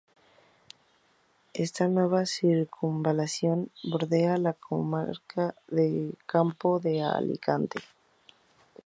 Esta nueva circunvalación bordea la comarca del Campo de Alicante.